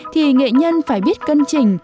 thì nghệ nhân phải biết cân chỉnh